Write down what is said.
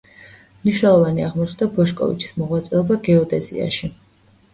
მნიშვნელოვანი აღმოჩნდა ბოშკოვიჩის მოღვაწეობა გეოდეზიაში.